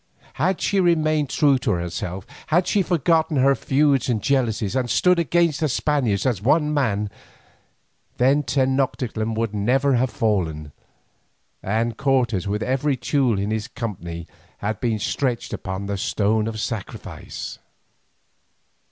Had she remained true to herself, had she forgotten her feuds and jealousies and stood against the Spaniards as one man, then Tenoctitlan would never have fallen, and Cortes with every Teule in his company had been stretched upon the stone of sacrifice.